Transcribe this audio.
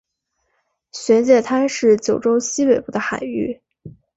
玄界滩是九州西北部的海域。